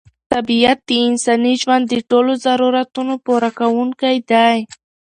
طبیعت د انساني ژوند د ټولو ضرورتونو پوره کوونکی دی.